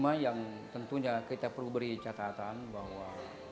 dan tentunya kita perlu beri catatan bahwa